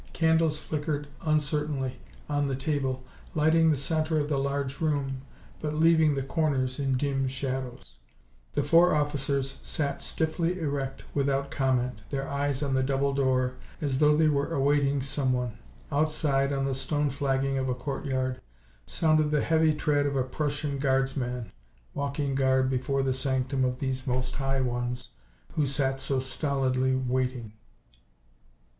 Candles flickered uncertainly on the table, lighting the center of the large room but leaving the corners in dim shadows. The four officers sat stiffly erect, without comment, their eyes on the double door as though they were awaiting someone. Outside, on the stone flagging of a courtyard, sounded the heavy tread of a Prussian Guardsman walking guard before the sanctum of these "Most High" ones who sat so stolidly waiting.